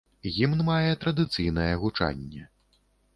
Гімн мае традыцыйнае гучанне.